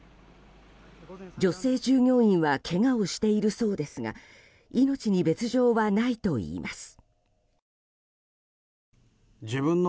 女性従業員はけがをしているそうですが命に別条はないといいます。